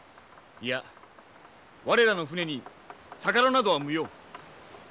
いや我らの船に逆艪などは無用。